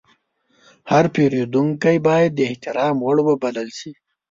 هر پیرودونکی باید د احترام وړ وبلل شي.